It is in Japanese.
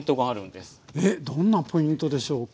えっどんなポイントでしょうか？